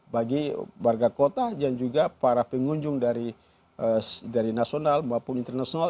bagi warga kota dan juga para pengunjung dari nasional maupun internasional